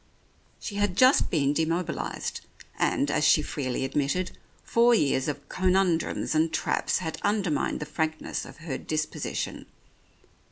She had just been demobilized, and, as she freely admitted, four years of conundrums and traps had undermined the frankness of her disposition.